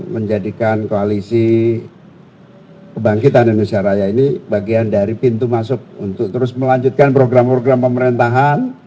menjadikan koalisi kebangkitan indonesia raya ini bagian dari pintu masuk untuk terus melanjutkan program program pemerintahan